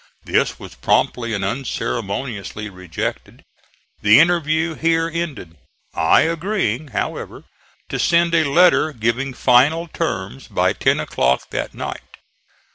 This was promptly and unceremoniously rejected. The interview here ended, I agreeing, however, to send a letter giving final terms by ten o'clock that night.